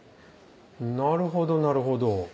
なるほどなるほど。